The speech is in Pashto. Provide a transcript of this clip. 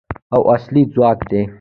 او اصلي ځواک دی.